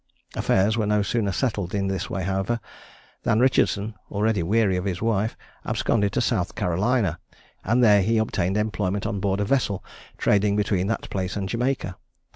Affairs were no sooner settled in this way, however, than Richardson, already weary of his wife, absconded to South Carolina, and there he obtained employment on board a vessel trading between that place and Jamaica.